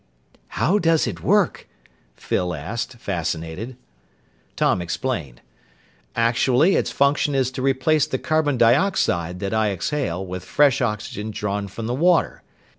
"How does it work?" Phyl asked, fascinated. Tom explained, "Actually its function is to replace the carbon dioxide that I exhale with fresh oxygen drawn from the water.